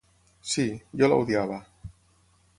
Sí, jo la odiava.